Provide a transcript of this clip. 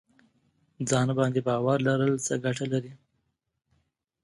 ځان باندې باور لرل څه ګټه لري؟